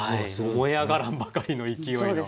燃え上がらんばかりの勢いの。